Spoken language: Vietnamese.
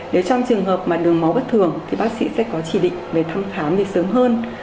nếu trong trường hợp mà đường máu bất thường thì bác sĩ sẽ có chỉ định về thăm khám sớm hơn